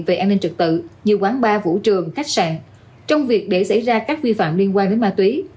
về an ninh trực tự như quán bar vũ trường khách sạn trong việc để xảy ra các vi phạm liên quan đến ma túy